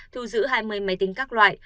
thu giữ hai mươi máy tính các loại